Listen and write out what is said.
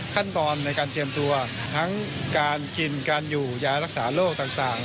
ขั้นตอนในการเตรียมตัวทั้งการกินการอยู่ยารักษาโรคต่าง